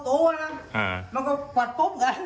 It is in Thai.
ตอนนี้ก็มันโดด